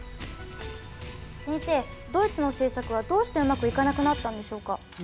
先生ドイツの政策はどうしてうまくいかなくなったんでしょうか？